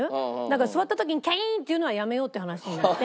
座った時に「キャイン！」っていうのはやめようって話になって。